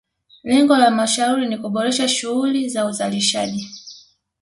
Lengo la halmashauri ni kuboresha shughuli za uzalishaji